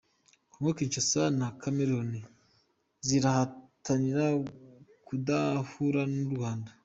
Congo Kinshasa na Cameroon zirahatanira kudahura n’u Rwanda.